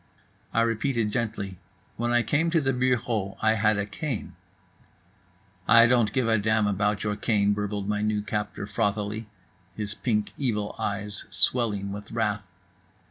I repeated gently: "When I came to the bureau I had a cane." "I don't give a damn about your cane," burbled my new captor frothily, his pink evil eyes swelling with wrath.